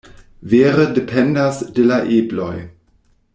Vere dependas de la ebloj.